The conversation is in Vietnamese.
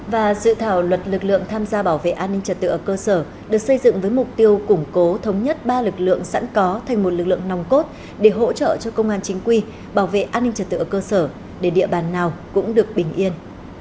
và dự thảo luật lực lượng tham gia bảo vệ an ninh trật tự ở cơ sở được xây dựng với mục tiêu củng cố thống nhất ba lực lượng sẵn có thành một lực lượng nòng cốt để hỗ trợ cho công an chính quy bảo vệ an ninh trật tự ở cơ sở để địa bàn nào cũng được bình yên